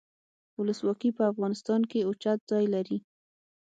ولسواکي په افغانستان کې اوچت ځای لري.